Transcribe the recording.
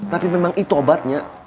tapi memang itu obatnya